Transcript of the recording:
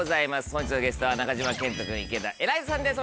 本日のゲストは中島健人君池田エライザさんです。